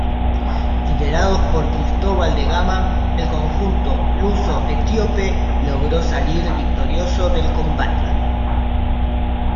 Liderados por Cristóbal de Gama, el conjunto luso-etíope logró salir victorioso del combate.